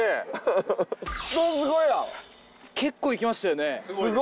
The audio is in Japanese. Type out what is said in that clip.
結構いきましたよね？